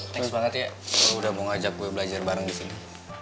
bagus banget ya udah mau ngajak gue belajar bareng di sini